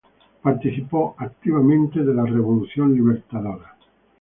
Participó activamente de la "Revolución Libertadora".